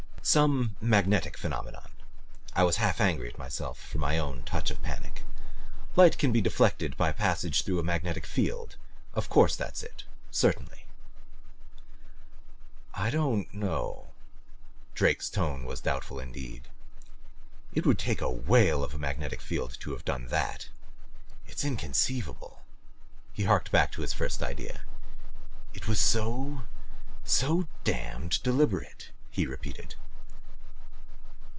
"Some magnetic phenomenon." I was half angry at myself for my own touch of panic. "Light can be deflected by passage through a magnetic field. Of course that's it. Certainly." "I don't know." Drake's tone was doubtful indeed. "It would take a whale of a magnetic field to have done THAT it's inconceivable." He harked back to his first idea. "It was so so DAMNED deliberate," he repeated.